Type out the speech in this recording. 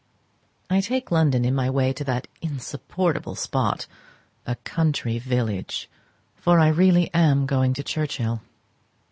I take London in my way to that insupportable spot, a country village; for I am really going to Churchhill.